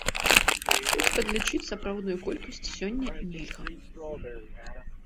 Хоць падлічыць сапраўдную колькасць сёння нельга.